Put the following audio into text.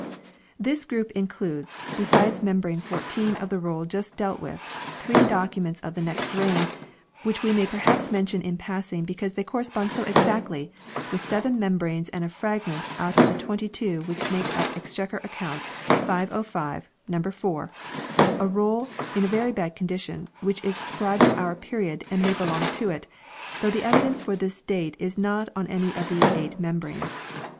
This group includes, besides membrane 14 of the roll just dealt with, three documents of the next reign, 1 which we may perhaps mention in passing because they cor respond so exactly with seven membranes and a frag ment out of the twenty two which make up Exchequer Accounts, 505, No. 4, a roll in very bad condition which is ascribed to our period and may belong to it ; though the evidence for the date is not on any of these eight membranes.